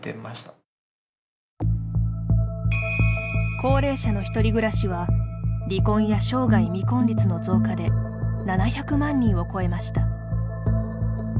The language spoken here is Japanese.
高齢者の１人暮らしは離婚や生涯未婚率の増加で７００万人を超えました。